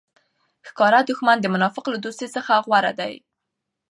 ښکاره دوښمن د منافق له دوستۍ څخه غوره دئ!